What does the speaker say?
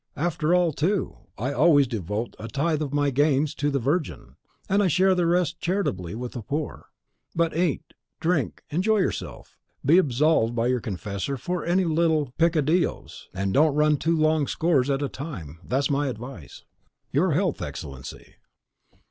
After all, too, I always devote a tithe of my gains to the Virgin; and I share the rest charitably with the poor. But eat, drink, enjoy yourself; be absolved by your confessor for any little peccadilloes and don't run too long scores at a time, that's my advice. Your health, Excellency!